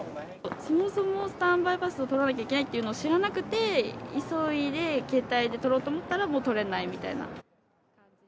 そもそもスタンバイパスを取らなきゃいけないっていうのを知らなくて、急いで携帯で取ろうと思ったら、もう取れないみたいな。